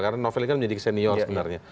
karena novel ini kan menjadi kesenior sebenarnya